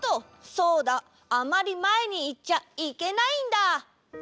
そうだあまりまえにいっちゃいけないんだ。